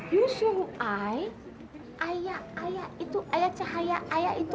ibu suruh ayah ayah ayah itu ayah cahaya ayah itu